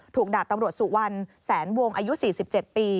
ดาบตำรวจสุวรรณแสนวงอายุ๔๗ปี